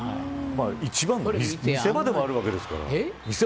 一番の見せ場でもあるわけですから。